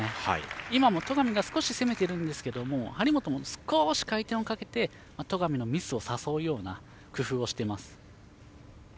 今も戸上が少し攻めているんですけど張本も少し回転をかけて戸上のミスを誘うような工夫をしています。